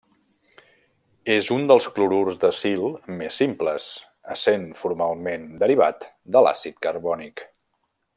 És un dels clorurs d'acil més simples, essent formalment derivat de l'àcid carbònic.